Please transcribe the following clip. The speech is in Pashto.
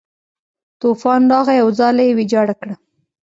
طوفان راغی او ځاله یې ویجاړه کړه.